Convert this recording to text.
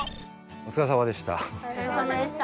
おつかれさまでした。